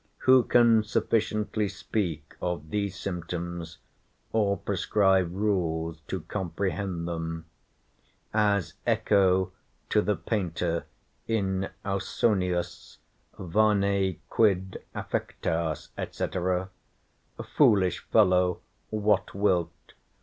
Who can sufficiently speak of these symptoms, or prescribe rules to comprehend them? As Echo to the painter in Ausonius, vane, quid affectas, &c. foolish fellow, what wilt?